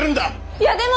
いやでも。